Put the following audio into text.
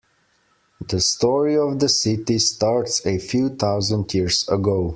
The story of the city starts a few thousand years ago.